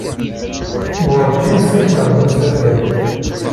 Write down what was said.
Werǧin ssakleɣ deg usafag.